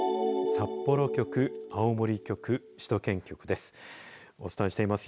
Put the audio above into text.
札幌局、青森局、首都圏局です。